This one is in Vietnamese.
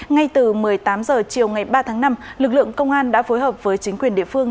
ngay từ một mươi tám h chiều ngày ba tháng năm lực lượng công an đã phối hợp với chính quyền địa phương